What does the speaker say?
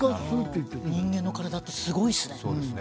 人間の体ってすごいですね。